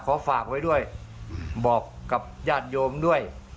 ฝากไว้ด้วยบอกกับญาติโยมด้วย